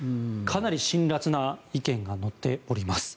かなり辛らつな意見が載っております。